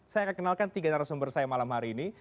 saya akan kenalkan tiga narasumber saya malam hari ini